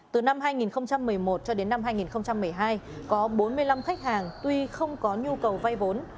từ năm hai nghìn một mươi một cho đến năm hai nghìn một mươi hai có bốn mươi năm khách hàng tuy không có nhu cầu vay vốn